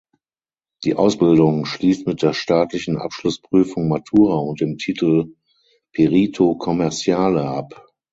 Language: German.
Die Ausbildung schließt mit der staatlichen Abschlussprüfung (Matura) und dem Titel "Perito commerciale" ab.